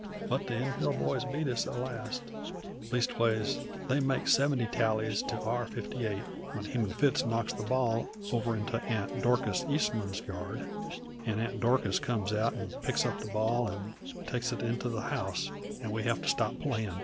But the Enfield boys beat us at last; leastwise they make 70 tallies to our 58, when Heman Fitts knocks the ball over into Aunt Dorcas Eastman's yard, and Aunt Dorcas comes out an' picks up the ball an' takes it into the house, an' we have to stop playin'.